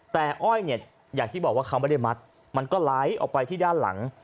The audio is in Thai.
แต่อ้อยเนี่ยอย่างที่บอกว่าเขาไม่ได้มัดมันก็ไหลออกไปที่ด้านหลัง